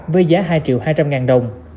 với giá hai triệu hai trăm linh ngàn đồng